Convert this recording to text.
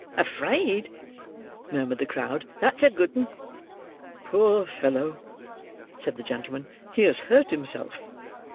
"Afraid!" murmured the crowd. "That's a good 'un!" "Poor fellow!" said the gentleman, "he has hurt himself."